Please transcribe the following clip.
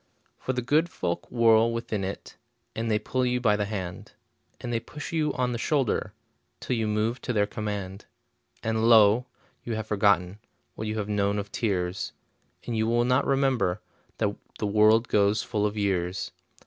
For the good folk whirl within it, And they pull you by the hand, And they push you on the shoulder, Till you move to their command. And lo! you have forgotten What you have known of tears, And you will not remember That the world goes full of years.